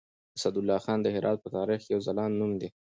اسدالله خان د هرات په تاريخ کې يو ځلاند نوم دی.